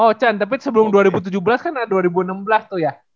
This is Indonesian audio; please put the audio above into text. oh can tapi sebelum dua ribu tujuh belas kan ada dua ribu enam belas tuh ya